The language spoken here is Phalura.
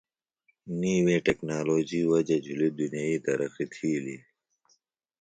نیوی ٹیکنالوجی وجہ جُھلیۡ دنیئی ترقیۡ تِھیلیۡ۔